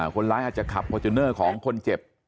อาจจะขับฟอร์จูเนอร์ของคนเจ็บ